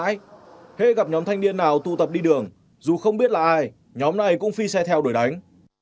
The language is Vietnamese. hết gặp nhóm thanh niên nào tụ tập đi đường dù không biết là ai nhóm này cũng phi xe theo đuổi đánh